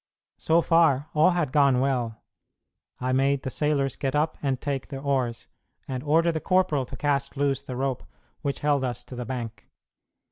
So far, all had gone well. I made the sailors get up and take their oars, and ordered the corporal to cast loose the rope which held us to the bank.